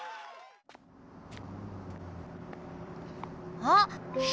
あっ。